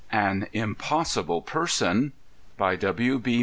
An Impossible Person By W. B.